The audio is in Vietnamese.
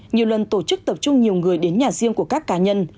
nhiều lần tổ chức tập trung nhiều người đến nhà riêng của các cá nhân